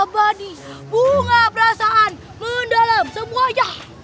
abadi bunga perasaan mendalam semuanya